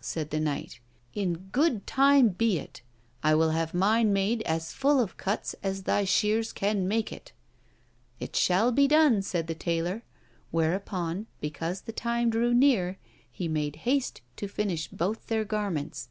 said the knight, 'in good time be it! I will have mine made as full of cuts as thy shears can make it.' 'It shall be done!' said the taylor; whereupon, because the time drew near, he made haste to finish both their garments.